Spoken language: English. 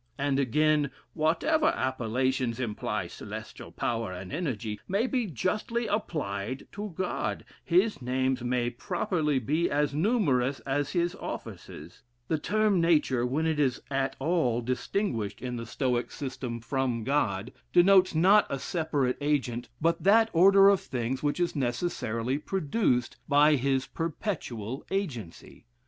And again: "Whatever appellations imply celestial power and energy, may be justly applied to God; his names may properly be as numerous as his offices," The term nature, when it is at all distinguished in the Stoic system from God, denotes not a separate agent, but that order of things which is necessarily produced by his perpetual agency.